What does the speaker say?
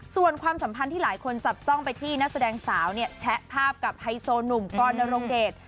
ส่วนความสัมพันธ์ที่หลายคนจับจ้องไปที่นักแสดงสาวเนี่ยแชะภาพกับไฮโซหนุ่มกรนรงเดช